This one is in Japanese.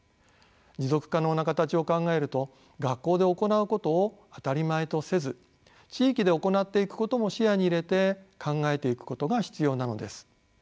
持続可能な形を考えると学校で行うことを当たり前とせず地域で行っていくことも視野に入れて考えていくことが必要なのです。